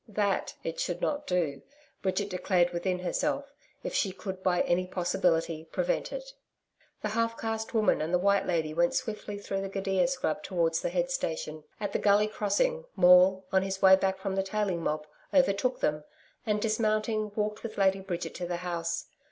That it should not do, Bridget declared within herself if she could by any possibility prevent it. The half caste woman and the white lady went swiftly through the gidia scrub towards the head station. At the gully crossing, Maule, on his way back from the tailing mob, overtook them, and dismounting, walked with Lady Bridget to the house.